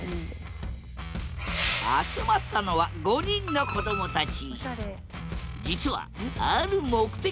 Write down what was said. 集まったのは５人のこどもたち。